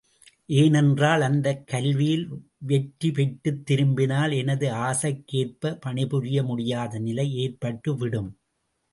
ஏனென்றால், அந்தக் கல்வியில் வெற்றிபெற்றுத் திரும்பினால், எனது ஆசைக்கேற்ப பணிபுரிய முடியாத நிலை ஏற்பட்டு விடும்.